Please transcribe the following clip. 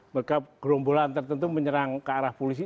maka gerombolan tertentu menyerang ke arah polisi